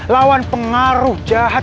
lawan pengaruh jahat